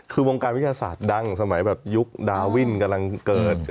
คือวงการวิทยาศาสตร์ดังสมัยแบบยุคดาวินกำลังเกิด